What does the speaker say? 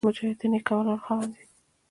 مجاهد د نېک عملونو خاوند وي.